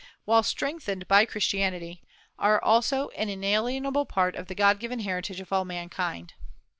while strengthened by Christianity, are also an inalienable part of the God given heritage of all mankind.